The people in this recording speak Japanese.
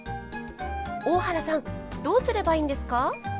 大原さんどうすればいいんですか？